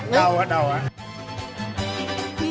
เดาว่าเดาอ่ะ